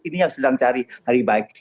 ini yang sedang cari hari baik